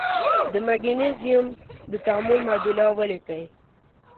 د مګنیزیم د تعامل معادله ولیکئ.